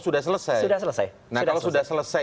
sudah selesai sudah selesai nah kalau sudah selesai